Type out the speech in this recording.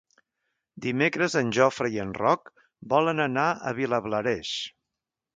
Dimecres en Jofre i en Roc volen anar a Vilablareix.